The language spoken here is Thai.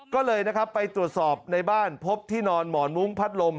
ก็เลยนะครับไปตรวจสอบในบ้านพบที่นอนหมอนุ้งพัดลม